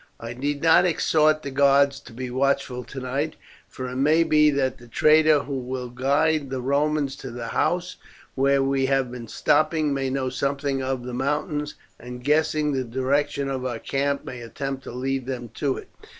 I need not exhort the guards to be watchful tonight, for it may be that the traitor who will guide the Romans to the house where we have been stopping may know something of the mountains, and guessing the direction of our camp may attempt to lead them to it.